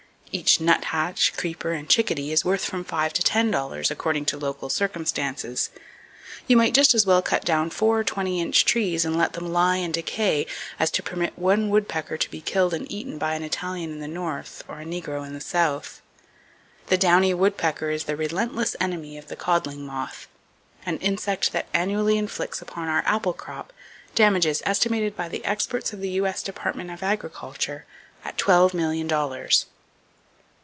Each nuthatch, creeper and chickadee is worth from five to ten dollars, according to local circumstances. You might just as well cut down four twenty inch trees and let them lie and decay, as to permit one woodpecker to be killed and eaten by an Italian in the North, or a negro in the South. The downy woodpecker is the relentless enemy of the codling moth, an insect that annually inflicts upon our apple crop damages estimated by the experts of the U.S. Department of Agriculture at twelve million dollars!